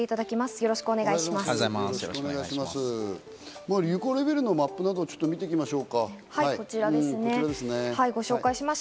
よろしくお願いします。